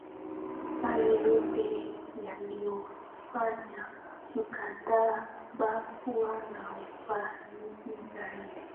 hayo yote yaliufanya mkataba kuwa na ufanisi zaidi